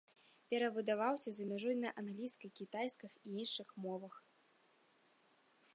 Перавыдаваўся за мяжой на англійскай, кітайскай і іншых мовах.